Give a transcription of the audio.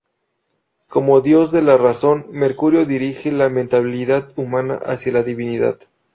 Como dios de la razón, Mercurio dirige la mentalidad humana hacia la divinidad.